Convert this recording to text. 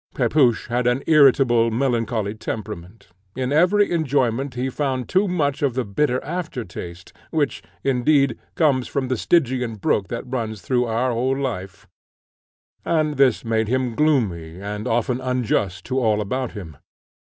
Pepusch had an irritable, melancholy temperament; in every enjoyment he found too much of the bitter after taste, which, indeed, comes from the Stygian brook that runs through our whole life, and this made him gloomy and often unjust to all about him.